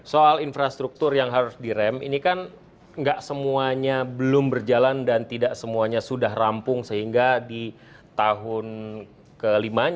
soal infrastruktur yang harus direm ini kan nggak semuanya belum berjalan dan tidak semuanya sudah rampung sehingga di tahun kelimanya